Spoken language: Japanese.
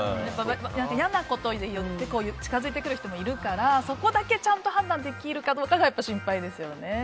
いやなことを言って近づいてくる人もいるからそこだけちゃんと判断できるかどうかが心配ですよね。